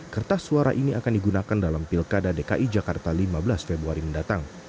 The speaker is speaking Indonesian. kertas suara ini akan digunakan dalam pilkada dki jakarta lima belas februari mendatang